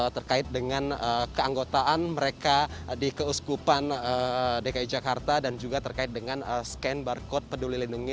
terkait dengan keanggotaan mereka di keuskupan dki jakarta dan juga terkait dengan scan barcode peduli lindungi